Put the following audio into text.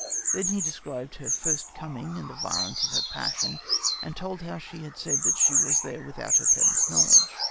Then he described her first coming and the violence of her passion, and told how she had said that she was there without her parents' knowledge.